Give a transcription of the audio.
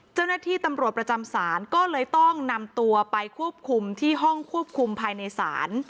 เจ้าหน้าที่ตำรวจประจำศาลก็เลยต้องนำตัวไปควบคุมที่ห้องควบคุมภายในศาล